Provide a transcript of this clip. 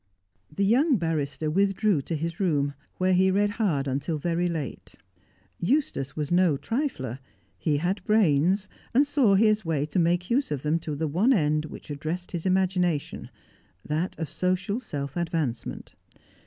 The young barrister withdrew to his room, where he read hard until very late. Eustace was no trifler; he had brains, and saw his way to make use of them to the one end which addressed his imagination, that of social self advancement.